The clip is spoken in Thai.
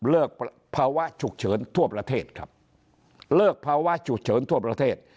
ภาวะฉุกเฉินทั่วประเทศครับเลิกภาวะฉุกเฉินทั่วประเทศ